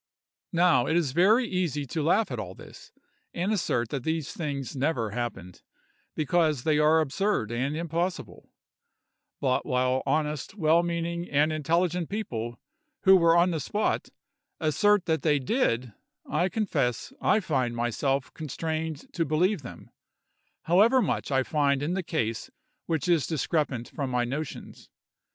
Now, it is very easy to laugh at all this, and assert that these things never happened, because they are absurd and impossible; but while honest, well meaning, and intelligent people, who were on the spot, assert that they did, I confess I find myself constrained to believe them, however much I find in the case which is discrepant with my notions.